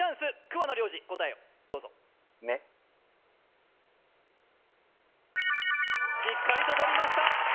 桑名良治答えをどうぞしっかりととりました